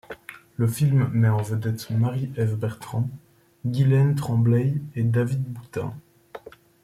Le film met en vedette Marie-Ève Bertrand, Guylaine Tremblay et David Boutin.